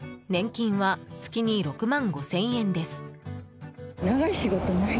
年金は月に６万５０００円です。